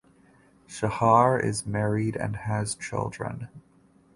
Sahar is married and has children.